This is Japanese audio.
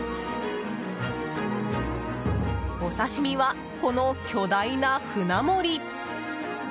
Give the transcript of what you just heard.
お刺し身は、この巨大な舟盛り。